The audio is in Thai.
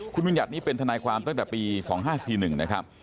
คุณวิญญัตินี่เป็นทนายความตั้งแต่ปี๒๕๔๑นะครับ